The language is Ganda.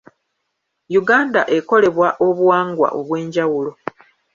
Uganda ekolebwa obuwangwa obw'enjawulo.